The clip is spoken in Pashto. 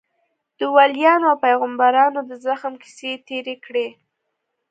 د وليانو او پيغمبرانو د زغم کيسې يې تېرې کړې.